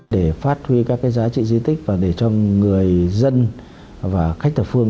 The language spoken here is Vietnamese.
để phát huy các giá trị di tích và để cho người dân và khách thập phương